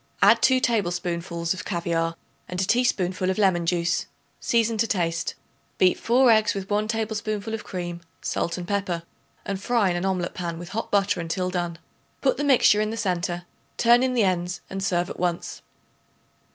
Add 2 tablespoonfuls of caviare and a teaspoonful of lemon juice; season to taste. Beat 4 eggs with 1 tablespoonful of cream, salt and pepper, and fry in an omelet pan with hot butter until done. Put the mixture in the centre; turn in the ends and serve at once.